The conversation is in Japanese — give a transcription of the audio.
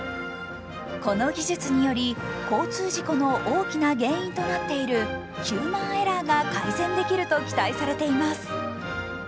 この技術により、交通事故の大きな原因となっているヒューマンエラーが改善できると期待されています。